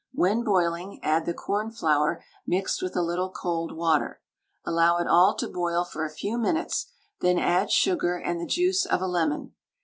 When boiling, add the cornflour mixed with a little cold water. Allow it all to boil for a few minutes; then add sugar and the juice of a lemon.